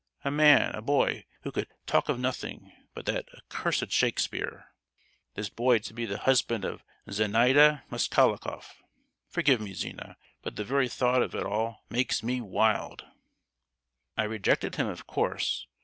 A man, a boy, who could talk of nothing but that accursed Shakespeare,—this boy to be the husband of Zenaida Moskaloff! Forgive me, Zina, but the very thought of it all makes me wild! "I rejected him, of course.